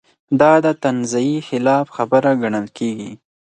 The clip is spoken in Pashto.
دا د تنزیې خلاف خبره ګڼل کېږي.